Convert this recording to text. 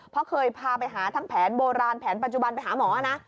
เพราะเคยพาไปหาทั้งแผนโบราณแผนปัจจุบันไปหาหมอนะ